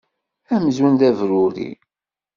Amzun d abrurri.